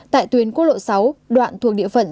tại tuyến quốc lộ sáu đoạn thuộc địa phận